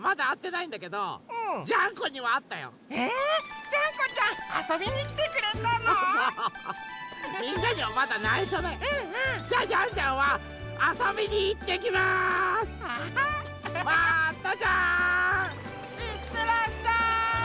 いってらっしゃい！